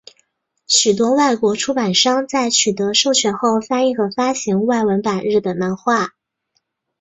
许多外国出版商在取得授权后翻译和发行外文版日本漫画。